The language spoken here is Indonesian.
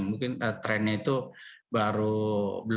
mungkin trennya itu berapa